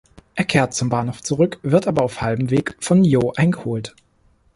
Er kehrt zum Bahnhof zurück, wird aber auf halbem Weg von Jo eingeholt.